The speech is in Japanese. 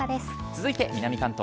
続いて南関東。